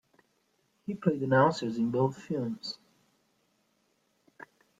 He played announcers in both films.